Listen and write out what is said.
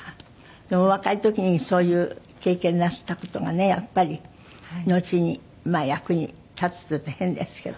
でもお若い時にそういう経験なすった事がねやっぱりのちに役に立つっていうと変ですけど。